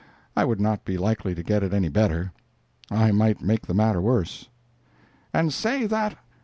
I would not be likely to get it any better. I might make the matter worse. "And say that—."